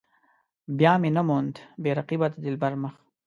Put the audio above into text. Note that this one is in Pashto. بیا مې نه موند بې رقيبه د دلبر مخ.